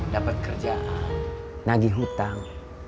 dapat kerjaan nagih hutang